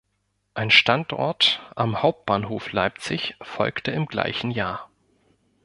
Ein Standort am Hauptbahnhof Leipzig folgte im gleichen Jahr.